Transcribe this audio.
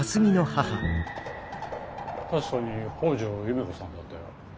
確かに北條夢子さんだったよ。